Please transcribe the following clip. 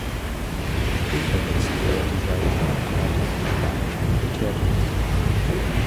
Später wechselte er die Seiten und trat in spanischen Militärdienst.